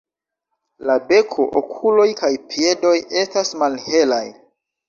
La beko, okuloj kaj piedoj estas malhelaj.